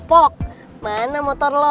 bentar lagi bel